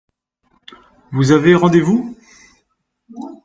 Vous avez rendez-vous ?